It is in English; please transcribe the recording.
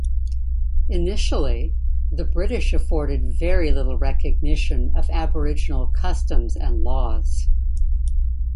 Initially, the British afforded very little recognition of Aboriginal customs and laws.